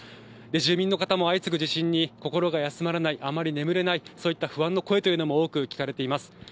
住民の方も相次ぐ地震に、心が休まらない、あまり眠れないと、そういった不安の声というのも多く聞かれています。